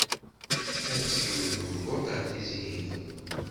Ad teknu Temguṭ ar Tizi Hibel.